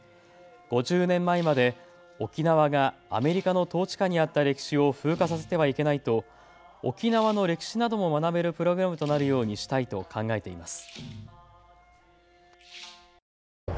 ５０年前まで沖縄がアメリカの統治下にあった歴史を風化させてはいけないと沖縄の歴史なども学べるプログラムとなるようにしたいと考えています。